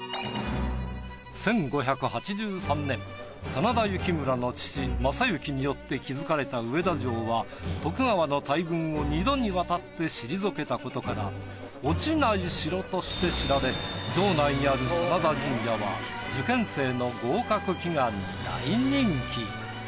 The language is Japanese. １５８３年真田幸村の父昌幸によって築かれた上田城は徳川の大軍を二度に渡って退けたことから落ちない城として知られ城内にある真田神社は受験生の合格祈願に大人気。